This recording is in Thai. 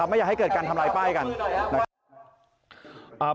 ไม่อยากให้เกิดการทำลายป้ายกันนะครับ